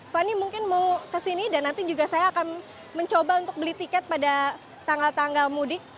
fani mungkin mau kesini dan nanti juga saya akan mencoba untuk beli tiket pada tanggal tanggal mudik